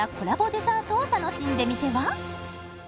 デザートを楽しんでみては？